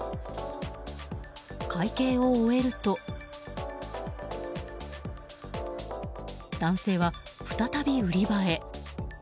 会計を終えると男性は、再び売り場へ。